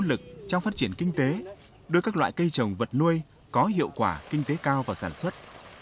lực trong phát triển kinh tế đưa các loại cây trồng vật nuôi có hiệu quả kinh tế cao vào sản xuất